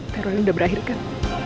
teror ini sudah berakhir kan